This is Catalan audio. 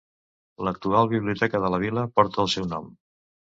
L'actual Biblioteca de la vila porta el seu nom.